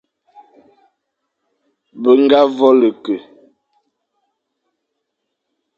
Be ñga vôl-e-ke,